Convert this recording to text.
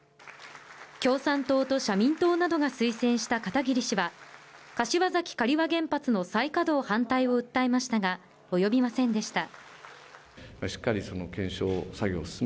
共産党と社民党などが推薦した片桐氏は、柏崎刈羽原発の再稼働反対を訴えましたが、及びませんでした。